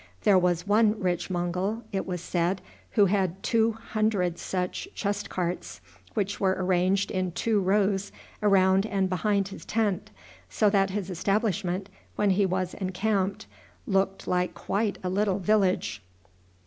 There was one rich Mongul, it was said, who had two hundred such chest carts, which were arranged in two rows around and behind his tent, so that his establishment, when he was encamped, looked like quite a little village.